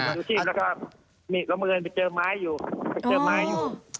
ชูชีพแล้วก็มีกระเมืองไปเจอไม้อยู่